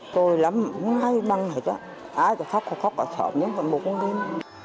tồi lắm muốn nói băng hết á ai có khóc có khóc có sợ nhé còn buồn không biết